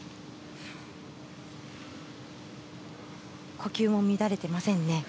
呼吸も乱れていませんね。